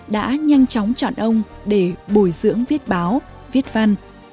đã nhanh chóng chọn ông để bồi dưỡng viết báo viết văn